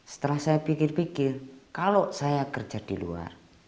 setelah saya pikir pikir kalau saya kerja di luar